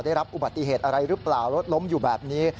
ได้รับอุบัติเหตุอะไรหรือเปล่ารถล้มอยู่แบบนี้